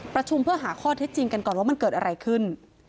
ประชุมเพื่อหาข้อเท็จจริงกันก่อนว่ามันเกิดอะไรขึ้น